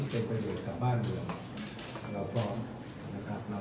เอ่อยังไม่มีนะครับเพราะว่าผมไม่มี